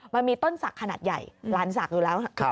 มันมีต้นศักดิ์ขนาดใหญ่ลานศักดิ์อยู่แล้ว